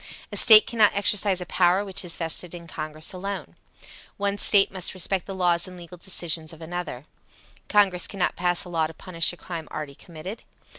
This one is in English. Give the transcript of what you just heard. A State cannot exercise a power which is vested in Congress alone. One State must respect the laws and legal decisions of another. Congress cannot pass a law to punish a crime already committed.